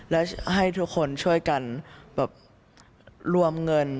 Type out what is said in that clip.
และให้ทุกคนช่วยกันแบบรวมเงิน